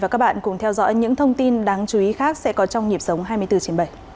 các đối tượng sẽ có trong nhịp sống hai mươi bốn h bảy